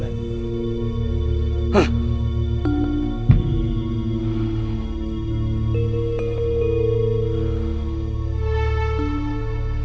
jangan lupa untuk berlangganan